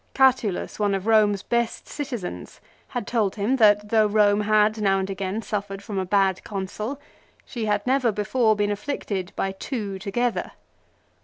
Catulus, one of Home's best citizens, had told him that though Eome had now and again suffered from a bad Consul, she had never before been afflicted by two together.